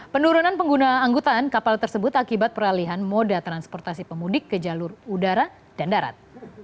penurunan pengguna angkutan kapal tersebut akibat peralihan moda transportasi pemudik ke jalur udara dan darat